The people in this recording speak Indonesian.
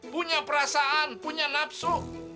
punya perasaan punya nafsu